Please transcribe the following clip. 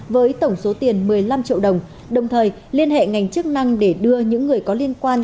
với tổng số tiền một mươi năm triệu đồng đồng thời liên hệ ngành chức năng để đưa những người có liên quan